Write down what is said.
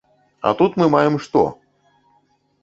А тут мы маем што?